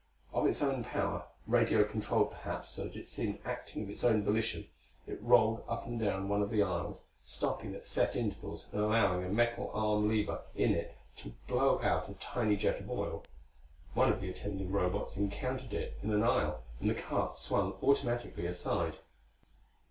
Of its own power radio controlled perhaps, so that it seemed acting of its own volition it rolled up and down one of the aisles, stopping at set intervals and allowing a metal arm lever in it to blow out a tiny jet of oil. One of the attending Robots encountered it in an aisle, and the cart swung automatically aside.